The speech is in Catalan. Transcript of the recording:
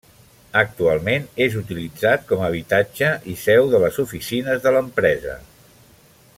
Actualment és utilitzat com a habitatge i seu de les oficines de l'empresa.